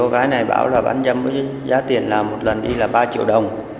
giá tiền là một lần đi là ba triệu đồng